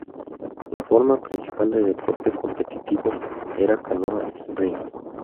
La forma principal de deporte competitivo era canoa sprint.